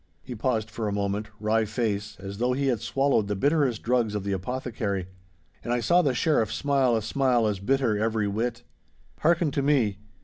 He paused for a moment, wry face, as though he had swallowed the bitterest drugs of the apothecary. And I saw the Sheriff smile a smile as bitter every whit. 'Hearken to me.